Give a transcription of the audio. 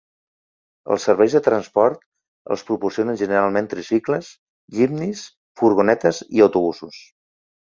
Els serveis de transport els proporcionen generalment tricicles, jipnis, furgonetes i autobusos,